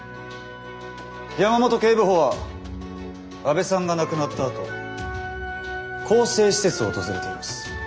山本警部補は阿部さんが亡くなったあと更生施設を訪れています。